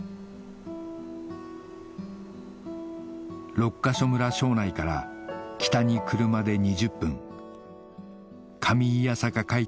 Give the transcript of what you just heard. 六ヶ所村庄内から北に車で２０分上弥栄開拓